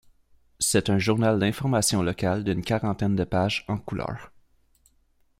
C'est un journal d'informations locales d'une quarantaine de pages en couleur.